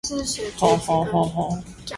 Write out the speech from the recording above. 大暖坑